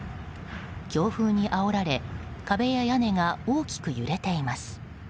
強風にあおられ壁や屋根が大きく揺れています。